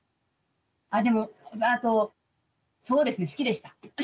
あでもそうですね好きでした。